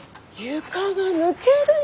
床が抜けるよ！